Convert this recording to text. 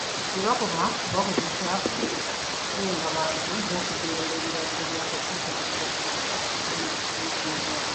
Tebakoma kubakozesa kukunga bantu n'okujeemera ebiragiro bya kakiiko k'ebyokulonda ne Minisitule y'ebyobulamu.